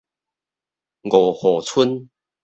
五和村